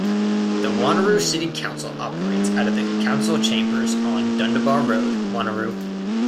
The Wanneroo City Council operates out of the Council Chambers on Dundebar Road, Wanneroo.